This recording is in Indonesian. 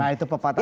nah itu pepatah